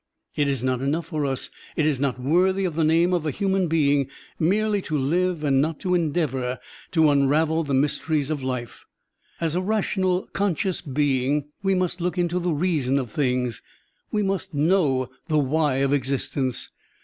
It is not enough for us, it is not worthy of the name of a human being, merely to live and not to endeavor to unravel the mysteries of life. As a rational, conscious being, we must look into the reason of things, we must know the why of existence.